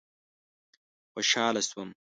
خوشحال شوم.